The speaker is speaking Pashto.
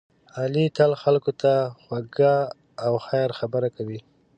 علی تل خلکو ته خوږه او خیر خبره کوي.